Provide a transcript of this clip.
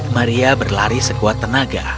maria berlari sekuat tenaga